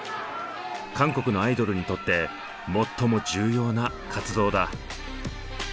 韓国のアイドルにとって最も重要な活動だ。